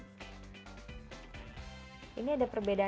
karyawan castella ini juga bisa dipakai untuk menggunakan di dalam bentuk karyawan